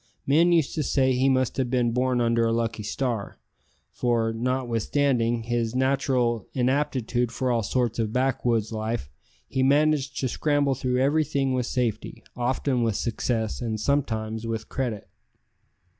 Men used to say he must have been born under a lucky star, for, notwithstanding his natural inaptitude for all sorts of backwoods life, he managed to scramble through everything with safety, often with success, and sometimes with credit.